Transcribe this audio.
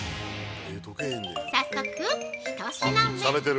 早速１品目！